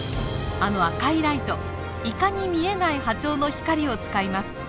あの赤いライトイカに見えない波長の光を使います。